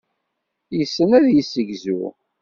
Yessen ad yessegzu.